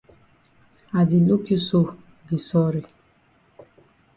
I di look you so di sorry.